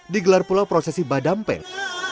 digelar pula prosesi badampeng